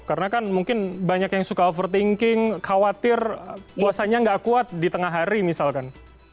karena kan mungkin banyak yang suka overthinking khawatir puasanya nggak kuat di tengah hari misalkan